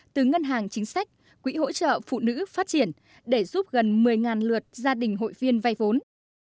từ ngân hàng chính sách quỹ hỗ trợ phụ nữ phát triển để giúp gần một mươi lượt gia đình hội viên vay vốn